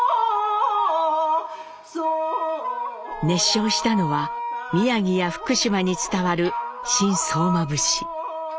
熱唱したのは宮城や福島に伝わる「新相馬節」。